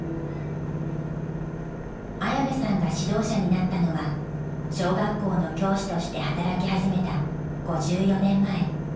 綾部さんが指導者になったのは小学校の教師として働き始めた５４年前。